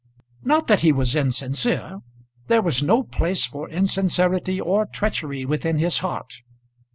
Not that he was insincere. There was no place for insincerity or treachery within his heart.